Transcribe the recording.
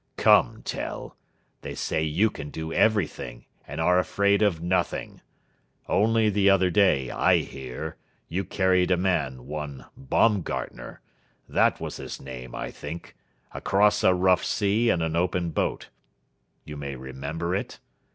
Come, Tell, they say you can do everything, and are afraid of nothing. Only the other day, I hear, you carried a man, one Baumgartner that was his name, I think across a rough sea in an open boat. You may remember it?